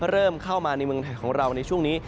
เริ่มเข้ามาในเมืองไทยของเราในช่วงนี้